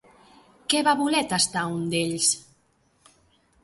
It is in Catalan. Què va voler tastar un d'ells?